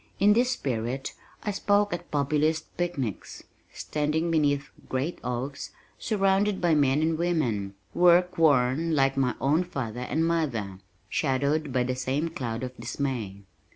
In this spirit I spoke at Populist picnics, standing beneath great oaks, surrounded by men and women, work worn like my own father and mother, shadowed by the same cloud of dismay.